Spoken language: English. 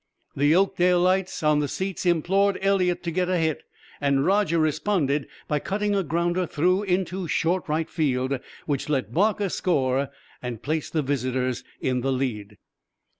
The Oakdaleites on the seats implored Eliot to get a hit, and Roger responded by cutting a grounder through into short right field, which let Barker score and placed the visitors in the lead.